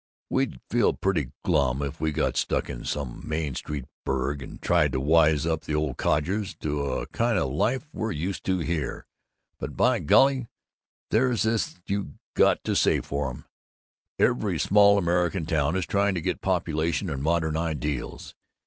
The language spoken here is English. We'd feel pretty glum if we got stuck in some Main Street burg and tried to wise up the old codgers to the kind of life we're used to here. But, by golly, there's this you got to say for 'em: Every small American town is trying to get population and modern ideals.